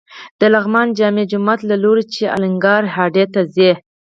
د لغمان جامع جومات له لوري چې الینګار هډې ته ځې.